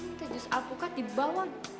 ente jus alpukat dibawang